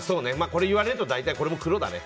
これ言われると大体これも黒だね。